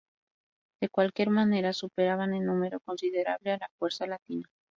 De cualquier manera, superaban en número considerable a la fuerza latina.